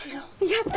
やった！